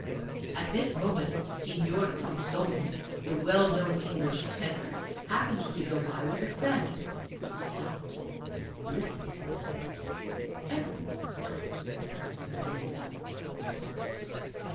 At this moment Signor Thompsoni, the well known English tenor, happened to go by with a friend. They stopped and listened; everyone stopped and listened.